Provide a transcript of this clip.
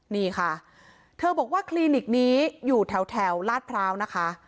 นี่ค่ะเธอบอกว่าคลินิกนี้อยู่แถวลาดพร้าวนะคะ